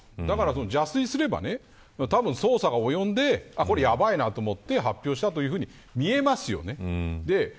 邪推すれば捜査が及んで、これやばいなと思って発表したというふうに見えますよね。